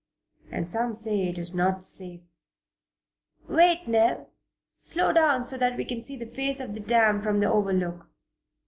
And some say it is not safe Wait, Nell! Slow down so that we can see the face of the dam from the Overlook."